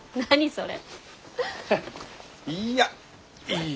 それ。